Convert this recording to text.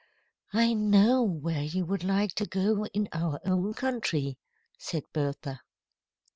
"I know where you would like to go in our own country," said Bertha.